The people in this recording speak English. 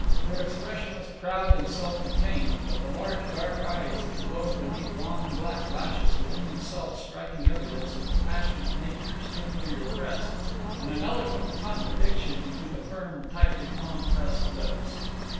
Her expression was proud and self contained, but the large dark eyes that glowed beneath long black lashes were in themselves striking evidence of a passionate nature sternly repressed, and an eloquent contradiction to the firm, tightly compressed lips.